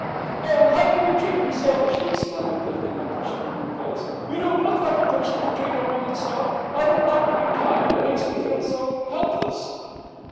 "Oh, how can you treat me so!" she exclaimed, lifting up her streaming face. "You don't look like a person to treat a woman so. I don't like to be tied; it makes me feel so helpless."